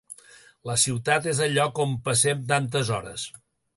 La ciutat és el lloc on passem tantes hores.